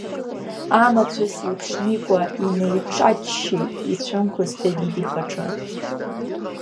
Амацәыс еиԥш Никәа инаиҿаччеит ицәымӷыз Давид ихаҿы.